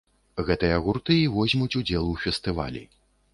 Гэтыя гурты і возьмуць удзел у фестывалі.